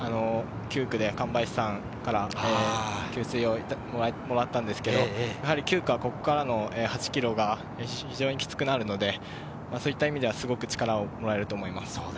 自分も前回大会で９区で神林さんから給水をもらったんですけど、やはり９区はここからの８ｋｍが非常にきつくなるので、そういった意味ではすごく力をもらえると思います。